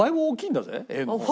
Ａの方が。